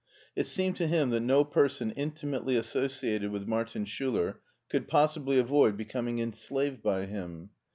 It seemed to him that no person intimately associated with Martin Schiller could possibly avoid becoming enslaved by him.